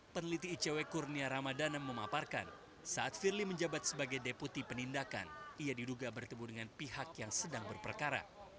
peneliti icw kurnia ramadana memaparkan saat firly menjabat sebagai deputi penindakan ia diduga bertemu dengan pihak yang sedang berperkara